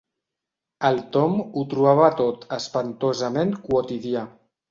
El Tom ho trobava tot espantosament quotidià.